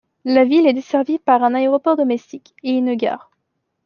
La ville est desservie par un aéroport domestique, et une gare.